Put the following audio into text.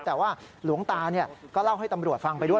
แต่ว่าหลวงตาก็เล่าให้ตำรวจฟังไปด้วย